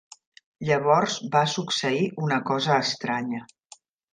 Llavors va succeir una cosa estranya.